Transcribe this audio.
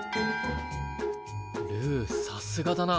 ルーさすがだな。